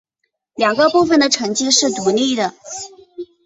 两个部分的成绩是独立的。